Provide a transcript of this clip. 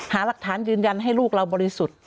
หาหลักฐานยืนยันให้ลูกเราบริสุทธิ์